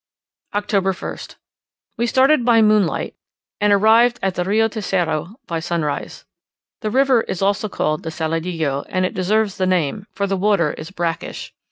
October 1st. We started by moonlight and arrived at the Rio Tercero by sunrise. The river is also called the Saladillo, and it deserves the name, for the water is brackish.